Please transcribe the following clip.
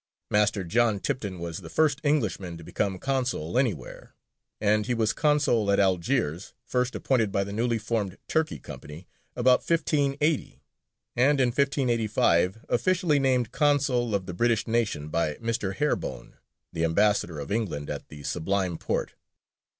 Master John Tipton was the first Englishman to become consul anywhere, and he was consul at Algiers, first appointed by the newly formed Turkey Company about 1580, and in 1585 officially named consul of the British nation by Mr. Harebone, the ambassador of England at the Sublime Porte.